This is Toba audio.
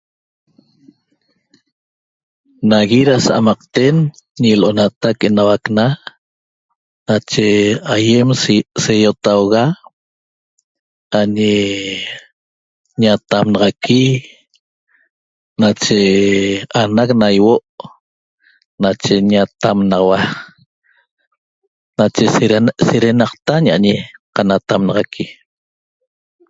Nagui da sa'amaqten ñi Lo'onatac Enauac Na nache aýen seiotauga añi ñatamnaxaqui nache anac na ýihuo' nache ñatamnaxaua nache sedenaqta aña'añi qanatamnaxaqui